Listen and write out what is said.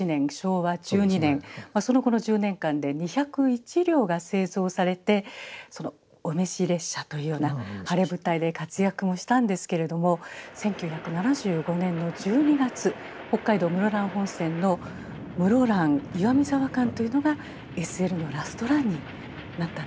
その後の１０年間で２０１両が製造されてお召し列車というような晴れ舞台で活躍もしたんですけれども１９７５年の１２月北海道室蘭本線の室蘭−岩見沢間というのがＳＬのラストランになったんですね。